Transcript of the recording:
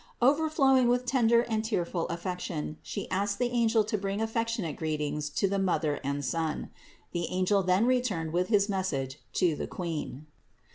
Overflowing with tender and tearful affection, she asked the angel to bring affec tionate greetings to the Son and Mother. The angel then returned with his message to the Queen.